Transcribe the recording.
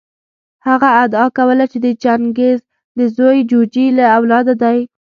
هغه ادعا کوله چې د چنګیز د زوی جوجي له اولاده دی.